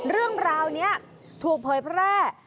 เรื่องราวนี้ถูกเผยแพร่